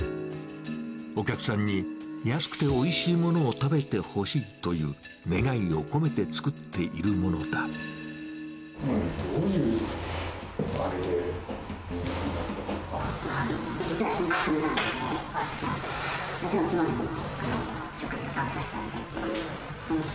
お客さんに安くておいしいものを食べてほしいという願いを込めてどういうあれで盗んだんです